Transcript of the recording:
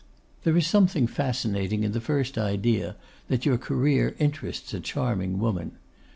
There is something fascinating in the first idea that your career interests a charming woman.